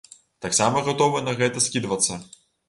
Таксама гатовы на гэта скідвацца.